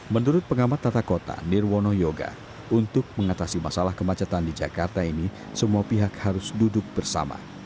menurut pengamat tata kota nirwono yoga untuk mengatasi masalah kemacetan di jakarta ini semua pihak harus duduk bersama